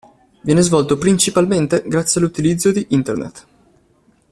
Viene svolto principalmente grazie all'utilizzo di Internet.